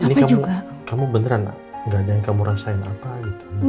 ini kamu beneran gak ada yang kamu rasain apa gitu